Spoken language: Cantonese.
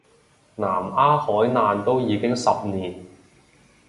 南丫海難都已經十年